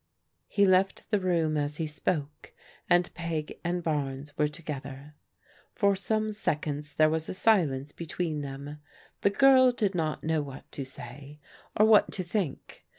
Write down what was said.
He left the room as he spoke, and Peg and Barnes were together. For some seconds there was a silence between them. The girl did not know what to say, or what to think.